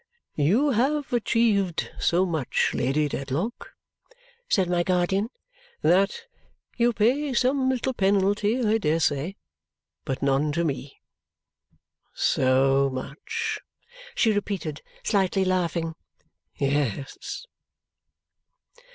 "You have achieved so much, Lady Dedlock," said my guardian, "that you pay some little penalty, I dare say. But none to me." "So much!" she repeated, slightly laughing. "Yes!"